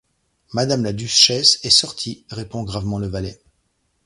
Madame la duchesse est sortie, répond gravement le valet.